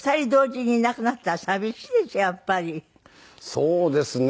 そうですね。